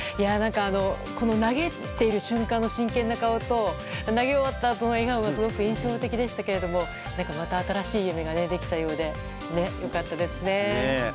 投げている瞬間の真剣な顔と投げ終わったあとの笑顔がすごく印象的でしたけれども何かまた新しい夢ができたようでよかったですね。